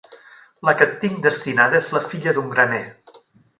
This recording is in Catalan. La que et tinc destinada es la filla d'un graner.